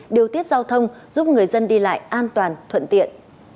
điều tiết giao thông giúp người dân đi lại an toàn thuận tiện